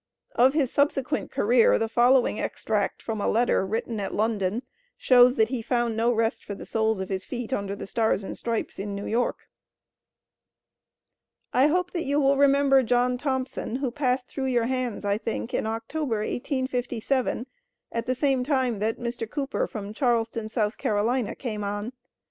Of his subsequent career the following extract from a letter written at London shows that he found no rest for the soles of his feet under the Stars and Stripes in New York: I hope that you will remember John Thompson, who passed through your hands, I think, in October, 1857, at the same time that Mr. Cooper, from Charleston, South Carolina, came on.